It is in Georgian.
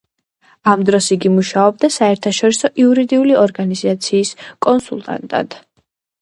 ამ დროს იგი მუშაობდა საერთაშორისო იურიდიული ორგანიზაციის კონსულტანტად.